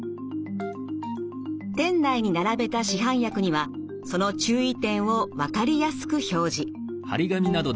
店内に並べた市販薬にはその注意点を分かりやすく表示。